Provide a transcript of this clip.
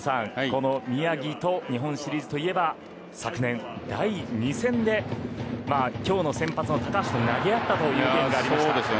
この宮城と日本シリーズといえば昨年第２戦で今日の先発は高橋と投げ合ったというゲームがありました。